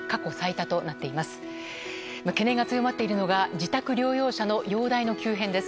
懸念が強まっているのが自宅療養者の容体の急変です。